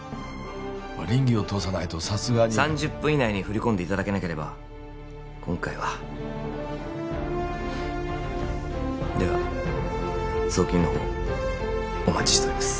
稟議を通さないとさすがに３０分以内に振り込んでいただけなければ今回はでは送金のほうお待ちしております